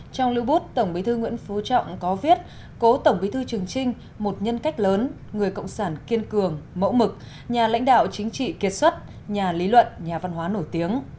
trong lưu bút tổng bí thư nguyễn phú trọng có viết cố tổng bí thư trường trinh một nhân cách lớn người cộng sản kiên cường mẫu mực nhà lãnh đạo chính trị kiệt xuất nhà lý luận nhà văn hóa nổi tiếng